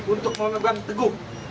untuk memegang teguh